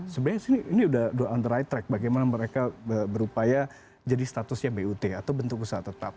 sebenarnya ini sudah on the right track bagaimana mereka berupaya jadi statusnya but atau bentuk usaha tetap